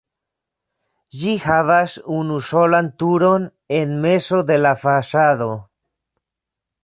Ĝi havas unusolan turon en mezo de la fasado.